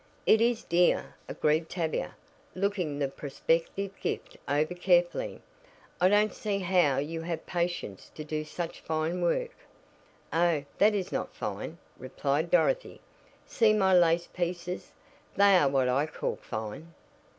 "It is dear," agreed Tavia, looking the prospective gift over carefully. "I don't see how you have patience to do such fine work." "Oh, that is not fine," replied Dorothy. "See my lace pieces. They are what I call fine."